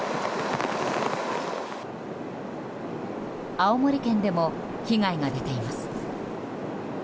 青森県でも被害が出ています。